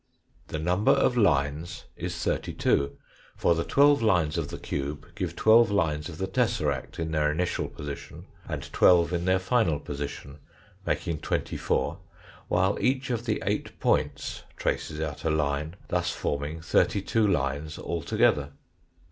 The number of lines is thirty two, for the twelve lines of the cube give twelve lines of the tesseract in their initial position, and twelve in their final position, making twenty four, while each of the eight points traces out a line, thus forming thirty two lines altogether.